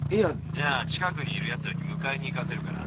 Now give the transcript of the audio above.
じゃあ近くにいるやつらに迎えに行かせるから。